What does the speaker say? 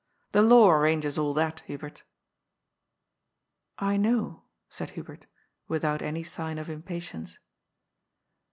The law arranges all that, Hnbert" ^^I know," said Hubert, without any sign of impa tience.